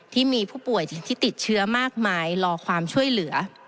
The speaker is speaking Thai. ที่มีผู้ป่วยที่ติดเชื้อมากมายรอความช่วยเหลือ